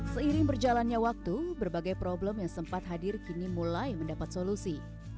seiring berjalannya waktu berbagai problem yang sempat hadir kini mulai mendapat solusi